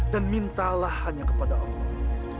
dan minta mu hanya kepada allah